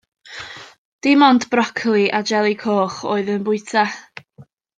Dim ond brocoli a jeli coch oedd e'n bwyta.